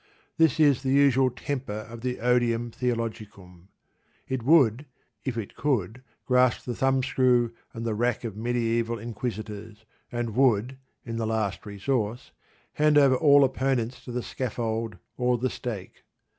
This is the usual temper of the odium theologicum. It would, if it could, grasp the thumbscrew and the rack of mediaeval Inquisitors, and would, in the last resource, hand over all opponents to the scaffold or the stake.